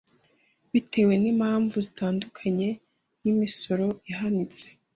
bitewe n’impamvu zitandukanye nk’imisoro ihanitse